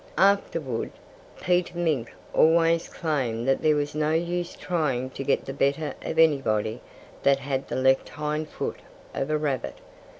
Afterward, Peter Mink always claimed that there was no use trying to get the better of anybody that had the left hind foot of a rabbit.